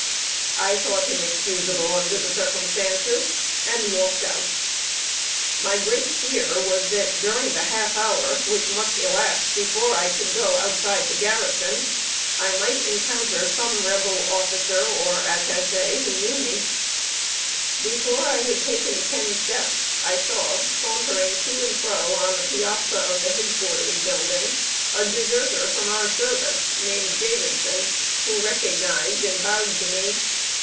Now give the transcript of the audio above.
I thought him excusable under the circumstances, and walked out. My great fear was that, during the half hour which must elapse before I could go outside the garrison, I might encounter some Rebel officer or attaché who knew me. [Sidenote: ENCOUNTERING REBEL ACQUAINTANCES.] Before I had taken ten steps, I saw, sauntering to and fro on the piazza of the head quarters building, a deserter from our service, named Davidson, who recognized and bowed to me.